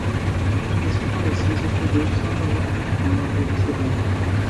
ইহার কিছু পরেই শ্রীযুক্ত গিরিশচন্দ্র ঘোষ মহাশয় মঠে উপস্থিত হইলেন।